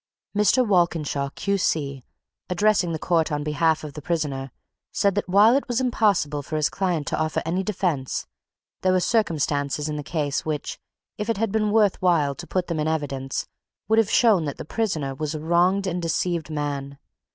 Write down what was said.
Mr. Walkinshaw, Q.C., addressing the court on behalf of the prisoner, said that while it was impossible for his client to offer any defence, there were circumstances in the case which, if it had been worth while to put them in evidence, would have shown that the prisoner was a wronged and deceived man.